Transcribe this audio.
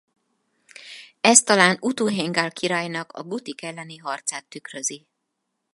Ez talán Utu-héngal királynak a gutik elleni harcát tükrözi.